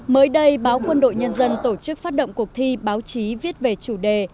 mới đây báo quân đội nhân dân tổ chức phát động cuộc thi báo chí viết về chủ đề